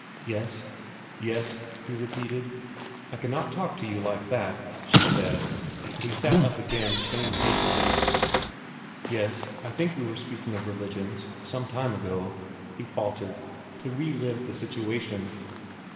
"Yes?" he repeated. "I cannot talk to you like that," she said; and he sat up again shamefacedly. "Yes I think we were speaking of religions some time ago," he faltered, to relieve the situation.